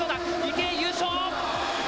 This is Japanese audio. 池江、優勝！